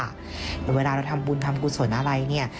และเวลาที่เราทำบุญทำกุศลอะไร